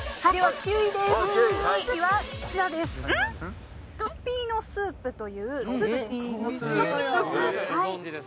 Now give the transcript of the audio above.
チョッピーノスープというスープです。